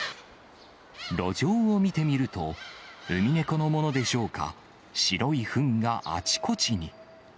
路上を見てみると、ウミネコのものでしょうか、白いふんがあちこちに。